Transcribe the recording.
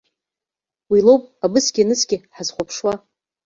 Уи лоуп абысгьы анысгьы ҳазхәаԥшуа.